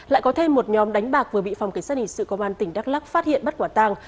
lại có thêm một nhóm đánh bạc vừa bị phòng cảnh sát hình sự công an tỉnh đắk lắc phát hiện bắt quả tàng